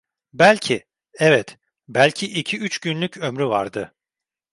Belki, evet, belki iki üç günlük ömrü vardı.